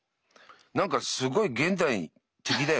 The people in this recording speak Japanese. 何かすごい現代的だよね。